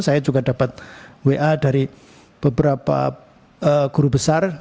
saya juga dapat wa dari beberapa guru besar